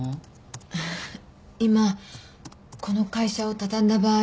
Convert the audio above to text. あっ今この会社を畳んだ場合